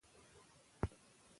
پښتو سړیتوب او انسانیت دی